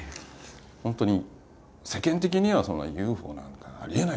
本当に世間的には「そんなＵＦＯなんてのはありえない」と。